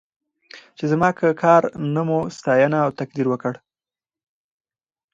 چې زما که کار نه مو ستاینه او تقدير وکړ.